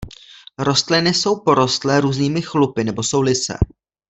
Rostliny jsou porostlé různými chlupy nebo jsou lysé.